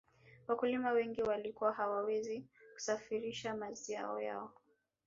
wakulima wengi walikuwa hawawezi kusafirisha mazao yao